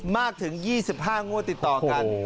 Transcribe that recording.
มากถึง๒๕งวดติดต่อกัน